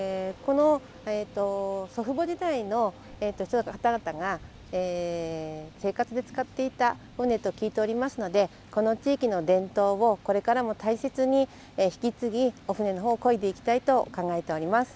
祖父母時代の方々が生活で使っていた舟と聞いているのでこの地域の伝統をこれからも大切に引き継ぎ舟をこいでいきたいと考えています。